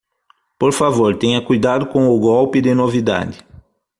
Por favor, tenha cuidado com o golpe de novidade